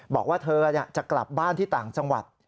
บอกว่าเธอจะกลับบ้านที่ต่างจังหวัด